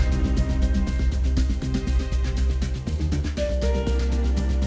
ในในสามอนาคตจะดูแลเป็นอย่างสำคัญค่ะ